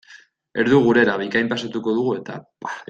Erdu gurera bikain pasatuko dugu eta.